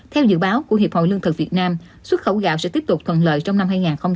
theo dự báo của hiệp hội lương thực việt nam xuất khẩu gạo sẽ tiếp tục thuận lợi trong năm hai nghìn hai mươi